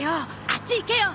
あっち行けよ！